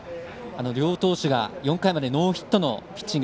両投手が４回までノーヒットのピッチング